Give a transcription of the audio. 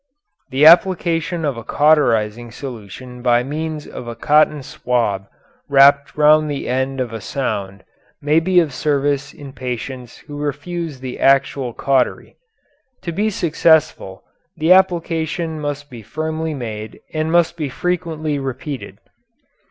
The application of a cauterizing solution by means of a cotton swab wrapped round the end of a sound may be of service in patients who refuse the actual cautery. To be successful the application must be firmly made and must be frequently repeated.